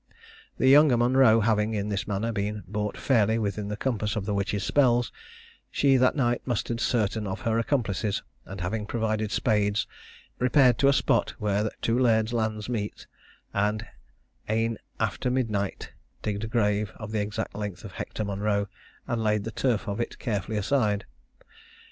The younger Monro having, in this manner, been brought fairly within the compass of the witch's spells, she that night mustered certain of her accomplices, and having provided spades, repaired to a spot where two lairds' lands met, and, at 'ane after midnycht,' digged a grave of the exact length of Hector Monro, and laid the turf of it carefully aside.